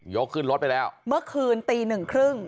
ขึ้นรถไปแล้วเมื่อคืนตีหนึ่งครึ่ง